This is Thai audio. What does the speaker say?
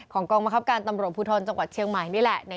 กองบังคับการตำรวจภูทรจังหวัดเชียงใหม่นี่แหละ